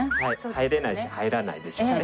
入れないし入らないでしょうね。